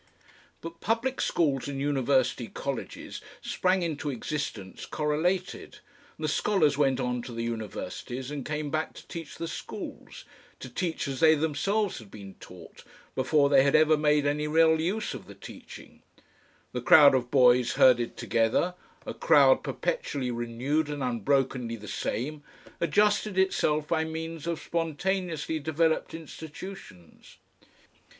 But public schools and university colleges sprang into existence correlated, the scholars went on to the universities and came back to teach the schools, to teach as they themselves had been taught, before they had ever made any real use of the teaching; the crowd of boys herded together, a crowd perpetually renewed and unbrokenly the same, adjusted itself by means of spontaneously developed institutions.